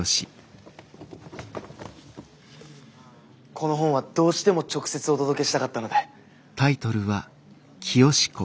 この本はどうしても直接お届けしたかったので。